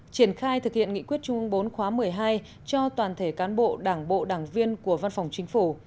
triển khai thực hiện nghị quyết trung ương bốn khóa một mươi hai cho toàn thể cán bộ đảng bộ đảng viên của văn phòng chính phủ